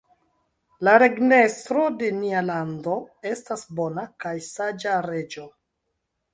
La regnestro de nia lando estas bona kaj saĝa reĝo.